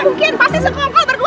mungkin pasti sekongkol berdua ya